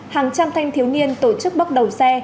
hàng trăm thanh thiếu niên tổ chức bóc đầu xe